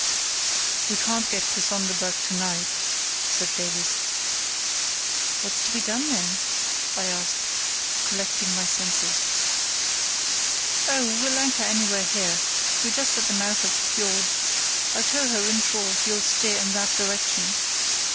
"We can't get to Sonderburg to night," said Davies. "What's to be done then?" I asked, collecting my senses. "Oh! we'll anchor anywhere here, we're just at the mouth of the fiord; I'll tow her inshore if you'll steer in that direction."